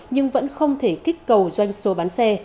nhưng vẫn không thể kích cầu doanh số bán xe